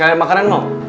kalian makanan mau